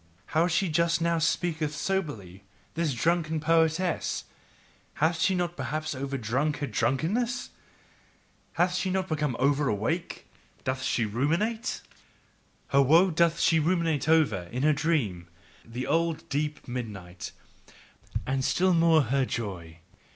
How she just now speaketh soberly, this drunken poetess! hath she perhaps overdrunk her drunkenness? hath she become overawake? doth she ruminate? Her woe doth she ruminate over, in a dream, the old, deep midnight and still more her joy.